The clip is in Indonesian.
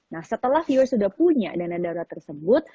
nah setelah viewer sudah punya dana darurat tersebut